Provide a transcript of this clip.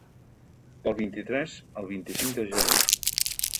Del vint-i-tres al vint-i-cinc de gener.